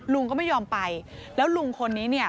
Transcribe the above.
ลุงก็ไม่ยอมไปแล้วลุงคนนี้เนี่ย